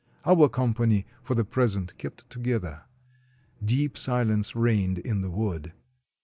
Our company, for the present, kept together. Deep silence reigned in the wood.